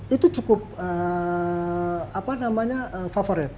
itu cukup apa namanya favorite